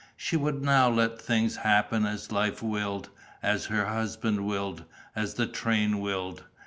She would now let things happen as life willed, as her husband willed, as the train willed.